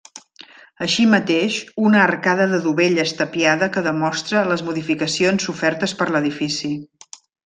Així mateix una arcada de dovelles tapiada que demostra les modificacions sofertes per l'edifici.